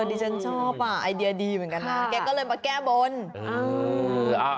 ดิฉันชอบอ่ะไอเดียดีเหมือนกันนะแกก็เลยมาแก้บน